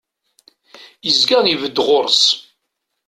Izga ibedd ɣur-s.